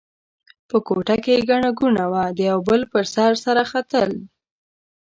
په کوټه کې ګڼه ګوڼه وه؛ د یوه بل پر سر سره ختل.